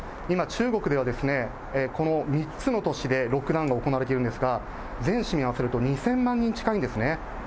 今、中国では、この３つの都市で、ロックダウンが行われているんですが、全市民合わせると２０００万人近いんですね。